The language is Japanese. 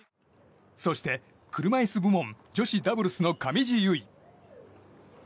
そして、車いす部門女子ダブルスの上地結衣。